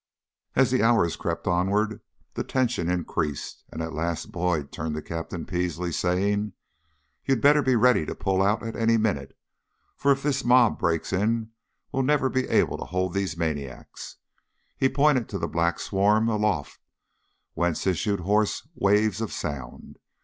As the hours crept onward the tension increased, and at last Boyd turned to Captain Peasley saying, "You'd better be ready to pull out at any minute, for if the mob breaks in we'll never be able to hold these maniacs." He pointed to the black swarm aloft, whence issued hoarse waves of sound.